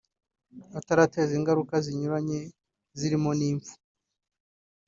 atarateza ingaruka zinyuranye zirimo n’impfu